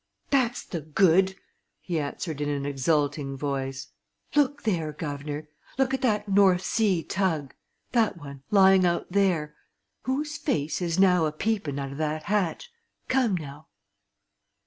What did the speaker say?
"That's the good!" he answered in an exulting voice. "Look there, guv'nor! Look at that North Sea tug that one, lying out there! Whose face is, now a peeping out o' that hatch? Come, now?"